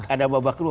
ada babak kedua